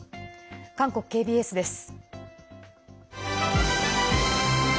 韓国ＫＢＳです。